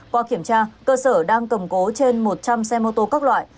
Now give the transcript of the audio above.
qua kiểm tra cơ sở đang cầm cố trên một trăm linh xe mô tô các loại